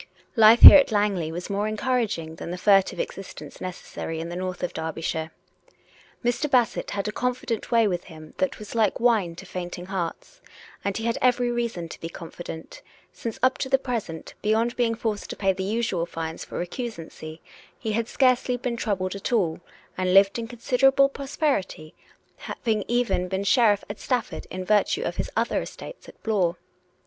Life here at Langley was more encouraging than the fur tive existence necessary in the north of Derbyshire. Mr. Bassett had a confident way with him that was like wine to fainting hearts, and he had every reason to be con fident; since up to the present, beyond being forced to pay the usual fines for recusancy, he had scarcely been troubled at all; and lived in considerable prosperity, having even been sheriff of Stafford in virtue of his other estates at Blore.